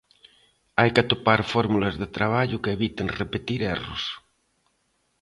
Hai que atopar fórmulas de traballo que eviten repetir erros.